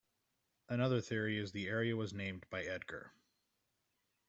Another theory is the area was named by Edgar.